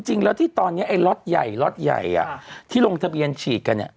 จริงแล้วที่ตอนนี้ไอ้ล็อตใหญ่ที่ลงทะเบียนฉีดกัน